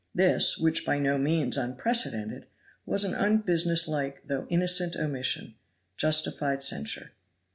This, which though by no means unprecedented, was an unbusiness like though innocent omission, justified censure.